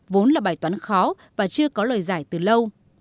vốn là bài toán khó và chưa có lời giải từ lâu